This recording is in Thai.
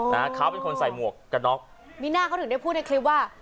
นะฮะเขาเป็นคนใส่หมวกกระน็อกมีน่าเขาถึงได้พูดในคลิปว่า